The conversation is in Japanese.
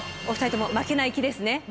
お二人とも負けない気ですね。